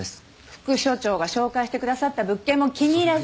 副署長が紹介してくださった物件も気に入らず。